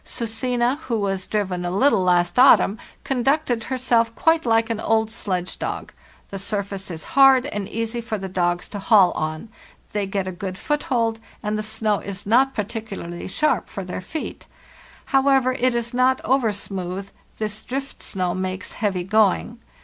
'Susine,' who was driven a little last autumn, conducted herself quite like an old sledge ie STOPPING A DOG FIGHT dog. The surface is hard, and easy for the dogs to haul on. They get a good foothold, and the snow is not particularly sharp for their feet; however, it is not over smooth; this driftsnow makes heavy going.